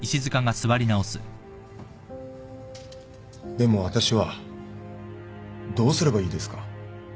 でも私はどうすればいいですか？